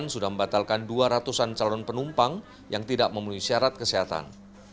sudah membatalkan dua ratus an calon penumpang yang tidak memenuhi syarat kesehatan